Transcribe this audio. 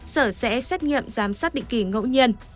sở sẽ xét nghiệm giám sát định kỳ ngẫu nhiên